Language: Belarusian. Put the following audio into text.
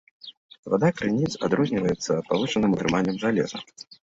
Вада крыніц адрозніваецца павышаным утрыманнем жалеза.